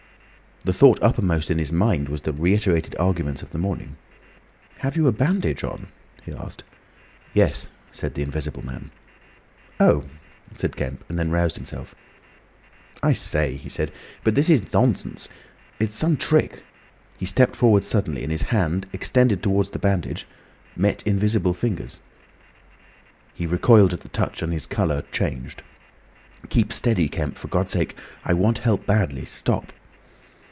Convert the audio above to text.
The thought uppermost in his mind was the reiterated arguments of the morning. "Have you a bandage on?" he asked. "Yes," said the Invisible Man. "Oh!" said Kemp, and then roused himself. "I say!" he said. "But this is nonsense. It's some trick." He stepped forward suddenly, and his hand, extended towards the bandage, met invisible fingers. He recoiled at the touch and his colour changed. "Keep steady, Kemp, for God's sake! I want help badly. Stop!"